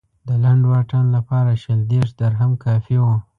د لنډ واټن لپاره شل دېرش درهم کافي و.